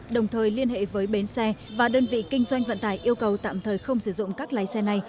đồng thời liên hệ với bến xe và đơn vị kinh doanh vận tải yêu cầu tạm thời không sử dụng các lái xe này